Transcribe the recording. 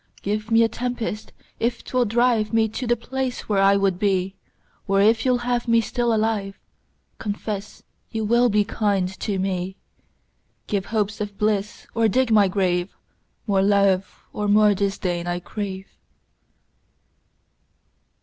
Give me a tempest if 'twill drive Me to the place where I would be; Or if you'll have me still alive, Confess you will be kind to me. 10 Give hopes of bliss or dig my grave: More love or more disdain I crave.